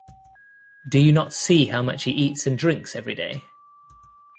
Do you not see how much he eats and drinks every day?